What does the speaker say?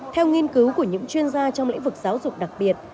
theo nghiên cứu của những chuyên gia trong lĩnh vực giáo dục đặc biệt